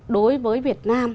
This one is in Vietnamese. đối với việt nam